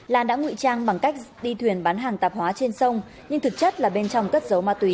lan đã ngụy trang bằng cách đi thuyền bán hàng tạp hóa trên sông nhưng thực chất là bên trong cất dấu ma túy